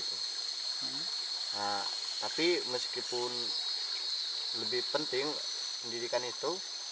nah tapi meskipun lebih penting pendidikan itu